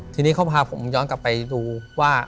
ทีนี้เขาพาผมย้อนกลับไปดูว่า